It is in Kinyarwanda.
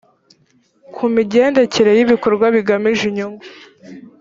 ku migendekere y ibikorwa bigamije inyungu